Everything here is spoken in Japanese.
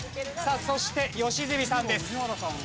さあそして良純さんです。